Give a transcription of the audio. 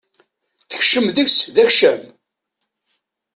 Tekcem deg-s d akcam.